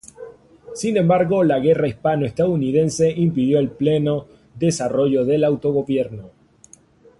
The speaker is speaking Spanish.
Sin embargo, la Guerra hispano-estadounidense impidió el pleno desarrollo del autogobierno.